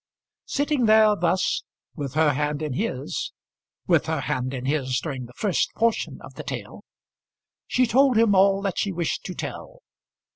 Sitting there thus, with her hand in his, with her hand in his during the first portion of the tale, she told him all that she wished to tell.